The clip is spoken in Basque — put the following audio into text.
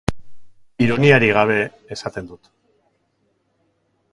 Ironiarik gabe esaten dut.